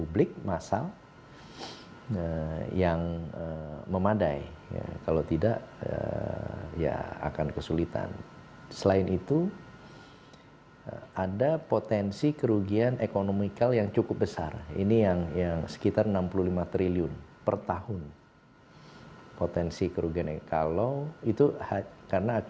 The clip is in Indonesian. berikut laporannya untuk anda